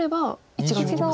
１眼はできます。